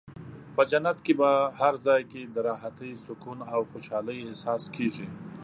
په جنت کې په هر ځای کې د راحتۍ، سکون او خوشحالۍ احساس کېږي.